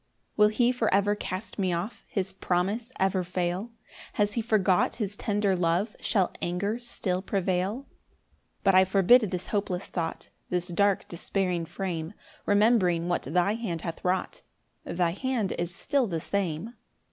7 Will he for ever cast me off? His promise ever fail? Has he forgot his tender love? Shall anger still prevail? 8 But I forbid this hopeless thought, This dark despairing frame, Rememb'ring what thy hand hath wrought, Thy hand is still the same.